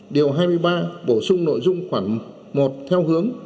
điều hai mươi ba bổ sung nội dung khoảng một theo hướng